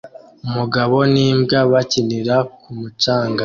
Umugabo n'imbwa bakinira ku mucanga